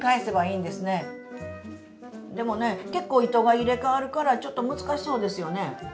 でもね結構糸が入れ代わるからちょっと難しそうですよね。